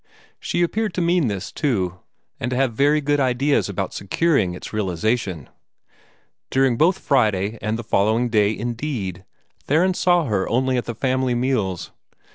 She appeared to mean this, too, and to have very good ideas about securing its realization. During both Friday and the following day, indeed, Theron saw her only at the family meals.